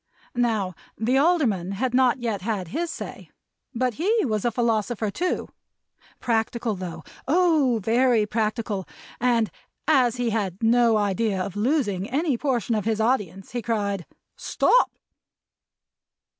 Now, the Alderman had not yet had his say, but he was a philosopher, too practical though! Oh, very practical! and, as he had no idea of losing any portion of his audience, he cried "Stop!"